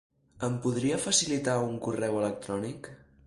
Em podria facilitar un correu electrònic?